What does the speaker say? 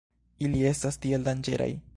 Ili estas tiel danĝeraj.